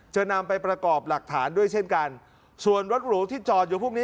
จะนำไปประกอบหลักฐานด้วยเช่นกันส่วนรถหรูที่จอดอยู่พวกนี้